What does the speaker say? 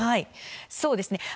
そうですね。